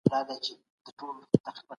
د مطالعې نسل بايد ټولنه له جذباتو وژغوري.